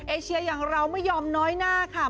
เอเชียอย่างเราไม่ยอมน้อยหน้าค่ะ